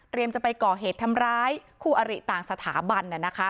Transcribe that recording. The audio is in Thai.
จะไปก่อเหตุทำร้ายคู่อริต่างสถาบัน